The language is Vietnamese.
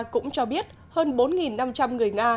cũng cho biết hơn bốn năm trăm linh người nga